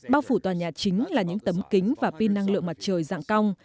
bao phủ tòa nhà chính là những tấm kính và pin năng lượng mặt trời dạng cong